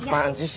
apaan sih sih